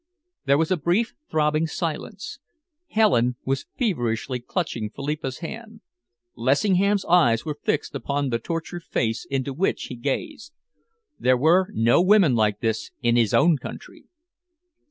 There was a brief, throbbing silence. Helen was feverishly clutching Philippa's hand. Lessingham's eyes were fixed upon the tortured face into which he gazed. There were no women like this in his own country.